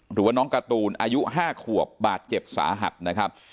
หรือว่าน้องการ์ตูนอายุ๕ขวบบาดเจ็บสาหัสนะครับ